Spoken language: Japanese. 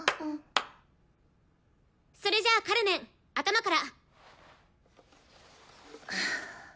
それじゃあカルメン頭から。